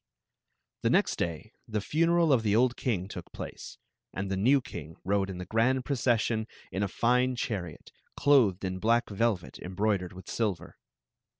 The next day the funeral of the old king took place, and the new king rode in the grand procession in a fine chariot, clothed in black velvet embroidered with silver.